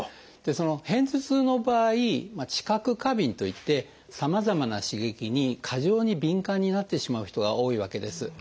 片頭痛の場合知覚過敏といってさまざまな刺激に過剰に敏感になってしまう人が多いわけです。